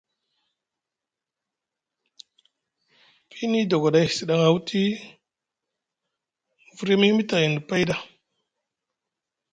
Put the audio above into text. Fiini dogoɗay sɗaŋa wuti mu firya mu yimiti ayni pay ɗa.